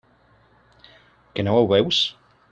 Que no ho veus?